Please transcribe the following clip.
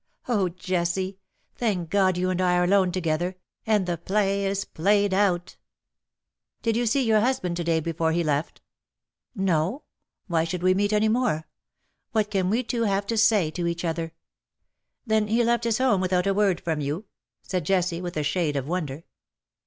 Oh, Jessie, thank God you and I are alone together, and the play is played out.^^ " Did you see your husband to day before he left? " No, Why should we meet any more ? What can we two have to say to each other V* "Then he left his home without a word from you,^ ' said Jessie^ with a shade of wonder.